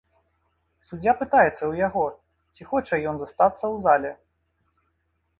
Суддзя пытаецца ў яго, ці хоча ён застацца ў зале.